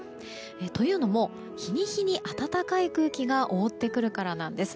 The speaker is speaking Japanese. というのも、日に日に暖かい空気が覆ってくるからなんです。